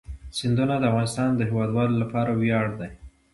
سیندونه د افغانستان د هیوادوالو لپاره ویاړ دی.